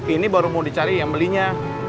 ini baru mau dicari yang belinya